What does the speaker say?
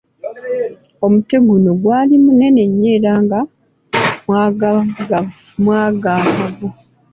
Omuti guno gwali munene nnyo era nga mwagaagavu.